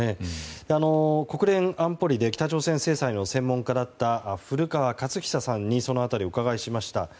国連安保理で北朝鮮制裁の専門家だった古川勝久さんにその辺りお伺いしました。